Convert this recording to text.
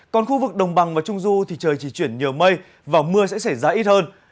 còn khu vực đồng bằng và trung du thì trời chỉ chuyển nhiều mây và mưa sẽ xảy ra ít hơn